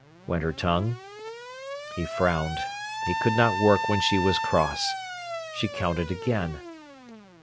went her tongue. He frowned. He could not work when she was cross. She counted again.